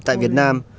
tại việt nam